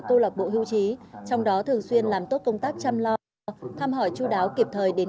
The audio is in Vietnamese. câu lạc bộ hưu trí trong đó thường xuyên làm tốt công tác chăm lo thăm hỏi chú đáo kịp thời đến